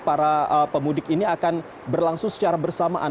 para pemudik ini akan berlangsung secara bersamaan